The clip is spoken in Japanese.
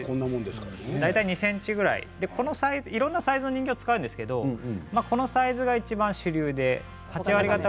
大体２ｃｍぐらいいろんなサイズの人形を使うんですけど、このサイズがいちばん主流で８割がた